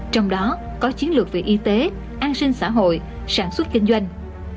trong đó có chiến lược về y tế an sinh xã hội sản xuất kinh doanh